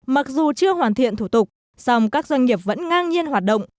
mặc dù chưa hoàn thiện thủ tục song các doanh nghiệp vẫn ngang nhiên hoạt động